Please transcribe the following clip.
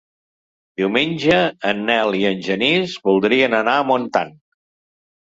Diumenge en Nel i en Genís voldrien anar a Montant.